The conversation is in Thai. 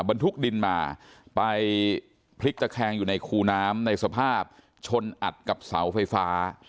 บรรทุกดินมาไปพลิกตะแคงอยู่ในคูน้ำในสภาพชนอัดกับเสาไฟฟ้า